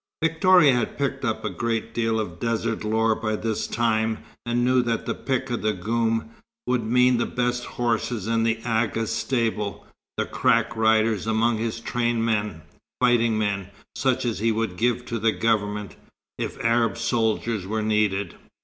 Victoria had picked up a great deal of desert lore by this time, and knew that the "pick of the goum" would mean the best horses in the Agha's stables, the crack riders among his trained men fighting men, such as he would give to the Government, if Arab soldiers were needed.